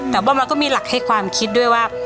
แต่ว่ามันก็มีหลักให้ความคิดด้วยว่า